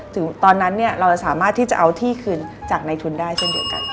ตอนนั้นเราจะสามารถที่จะเอาที่คืนจากในทุนได้เช่นเดียวกัน